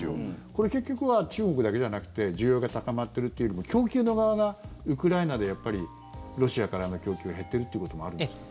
これ、結局は中国だけじゃなくて需要が高まっているというよりも供給の側が、ウクライナでロシアからの供給が減ってるってこともあるんですか？